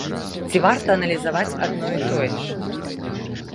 Ці варта аналізаваць адно і тое ж?